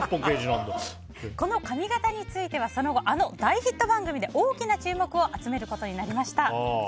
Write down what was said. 髪形については大ヒット番組で大きな注目を集めることになりました。